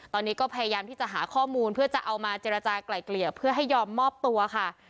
ตอนนี้ก็พยายามที่จะหาข้อมูลเพื่อจะเอามาเจรจากลายเกลี่ยเพื่อให้ยอมมอบตัวค่ะ